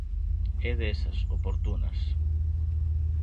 _É desas... oportunas.